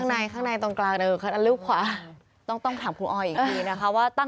ใช่ค่ะตา